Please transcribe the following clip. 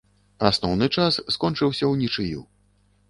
Асноўны час скончыўся ўнічыю.